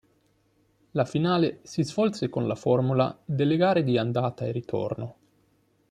La finale si svolse con la formula delle gare di andata e ritorno.